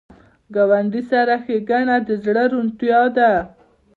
ګاونډي سره ښېګڼه د زړه روڼتیا ده